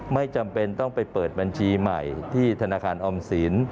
ไม่จำเป็นต้องไปเปิดบัญชีใหม่ที่ธนาคารออมสิน